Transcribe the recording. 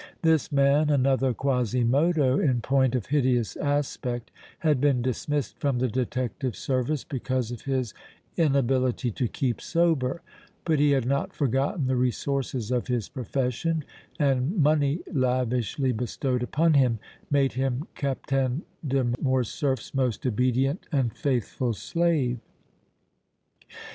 This man, another Quasimodo in point of hideous aspect, had been dismissed from the detective service because of his inability to keep sober, but he had not forgotten the resources of his profession, and money lavishly bestowed upon him made him Captain de Morcerf's most obedient and faithful slave.